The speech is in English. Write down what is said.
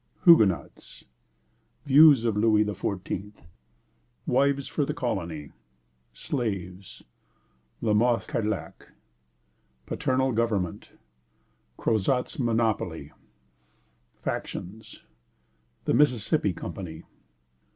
Huguenots. Views of Louis XIV. Wives for the Colony. Slaves. La Mothe Cadillac. Paternal Government. Crozat's Monopoly. Factions. The Mississippi Company.